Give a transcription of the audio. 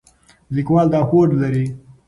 لیکوال دا هوډ لري.